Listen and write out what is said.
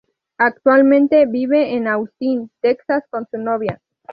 Actualmente vive en Austin, Texas con su novia.